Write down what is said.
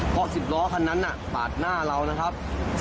เพราะ๑๐ล้อคันนั้นปาดหน้าเรานะครับ